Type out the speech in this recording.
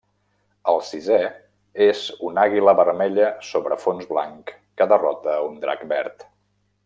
El sisè és una àguila vermella sobre fons blanc que derrota a un drac verd.